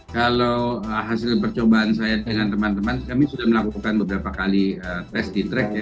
kalau hasil percobaan saya dengan teman teman kami sudah melakukan beberapa kali test di track ya